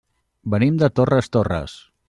Venim de Torres Torres.